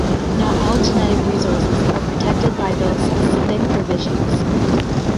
Not all genetic resources are protected by those specific provisions.